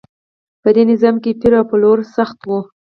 په دې نظام کې پیر او پلور سخت و.